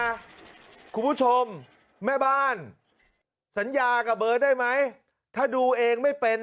คุณผู้ชมแม่บ้านสัญญากับเบิร์ตได้ไหมถ้าดูเองไม่เป็น